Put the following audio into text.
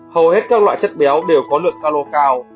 hầu hết các loại chất béo đều có lượng caro cao